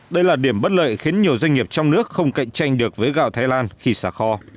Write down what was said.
đây là điểm bất lợi khiến nhiều doanh nghiệp trong nước không cạnh tranh được với gạo thái lan khi xả kho